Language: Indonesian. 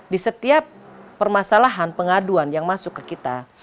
di setiap permasalahan pengaduan yang masuk ke kita